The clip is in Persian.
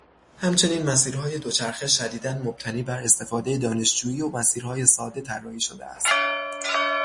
همچنین مسیرهای دوچرخه شدیدا مبتنی بر استفاده دانشجویی و مسیرهای ساده طراحی شده است.